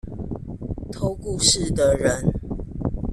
偷故事的人